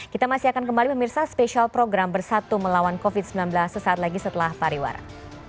kita masih akan kembali pemirsa spesial program bersatu melawan covid sembilan belas sesaat lagi setelah pariwara